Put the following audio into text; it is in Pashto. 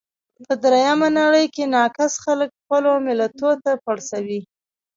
په درېیمه نړۍ کې ناکس خلګ خپلو ملتو ته پړسوي.